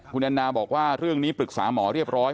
คุณแอนนาบอกว่าเรื่องนี้ปรึกษาหมอเรียบร้อย